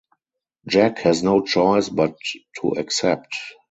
Jack has no choice but to accept.